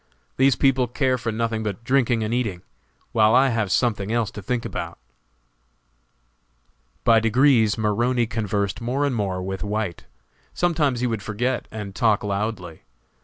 These people care for nothing but drinking and eating, while I have something else to think about." By degrees Maroney conversed more and more with White; sometimes he would forget and talk loudly.